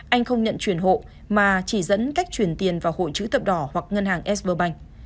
anh không nhận chuyển hộ mà chỉ dẫn cách chuyển tiền vào hội chữ tập đỏ hoặc ngân hàng s berbank